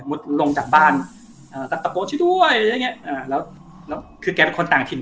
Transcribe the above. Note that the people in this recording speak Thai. ลงจากบ้านอ่าก็ตะโกนช่วยด้วยอะไรอย่างเงี้อ่าแล้วแล้วคือแกเป็นคนต่างถิ่น